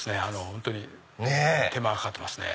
本当に手間がかかってますね。